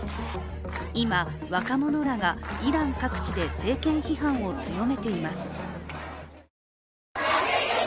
今、若者らがイラン各地で政権批判を強めています。